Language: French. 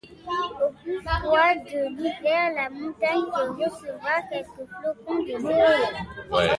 Au plus froid de l'hiver, la montagne peut recevoir quelques flocons de neige.